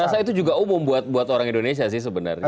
saya rasa itu juga umum buat orang indonesia sih sebenarnya